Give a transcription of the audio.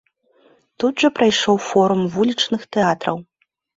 Тут жа прайшоў форум вулічных тэатраў.